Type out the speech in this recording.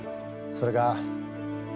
それが。